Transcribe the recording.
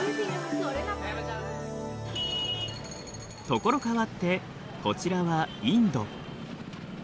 所変わってこちらはインド。